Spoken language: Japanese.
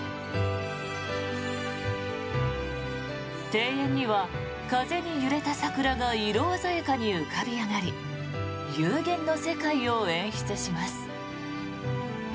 庭園には風に揺れた桜が色鮮やかに浮かび上がり幽玄の世界を演出します。